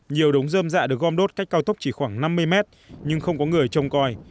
nhiều đống dơm dạ được gom đốt cách cao tốc chỉ khoảng năm mươi mét nhưng không có người trông coi